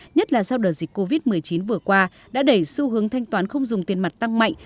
nhất là sau đợt dịch covid một mươi chín vừa qua đã đẩy xu hướng thanh toán không dùng tiền mặt tăng mạnh